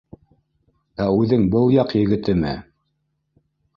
Ә үҙең был яҡ егетеме?